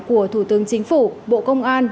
của thủ tướng chính phủ bộ công an